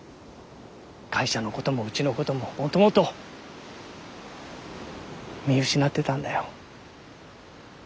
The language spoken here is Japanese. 会社のこともうちのことももともと見失ってたんだよ。